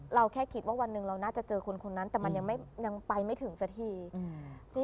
เราแค่คิดว่าวันนึงเราน่าจะเจอคนนั้นแต่มันยังไปไม่ถึงสักที